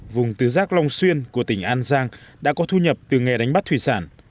vùng tứ giác long xuyên của tỉnh an giang đã có thu nhập từ nghề đánh bắt thủy sản